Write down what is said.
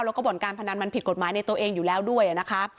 แล้วก็บ่อนการพนันมันผิดกฎหมายในตัวเองอยู่แล้วด้วยนะคะ